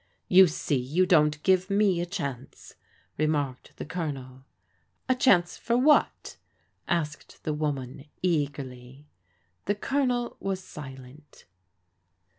" You see you don't give me a chance/' remarked the Colonel. " A chance for what? " asked the woman eagerly. The Colonel was silent.